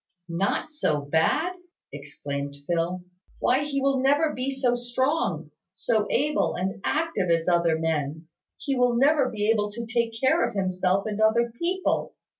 "Not so bad!" exclaimed Phil. "Why, he will never be so strong so able and active as other men. He will never be able to take care of himself and other people.